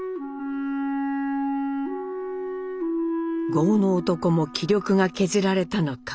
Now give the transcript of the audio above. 剛の男も気力が削られたのか。